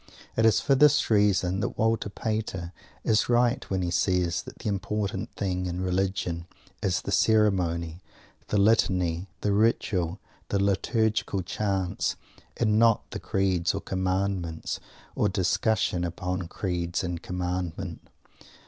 It is for this reason that Walter Pater is right when he says that the important thing in Religion is the Ceremony, the Litany, the Ritual, the Liturgical Chants, and not the Creeds or the Commandments, or discussion upon Creed or Commandment.